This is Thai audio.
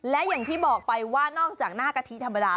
และอย่างที่บอกไปว่านอกจากหน้ากะทิธรรมดา